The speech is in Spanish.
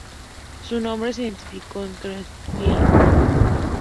Su nombre científico es "Quercus Ilex".